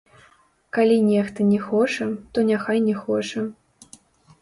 Калі нехта не хоча, то няхай не хоча.